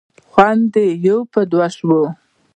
خوند یې یو په دوه شو.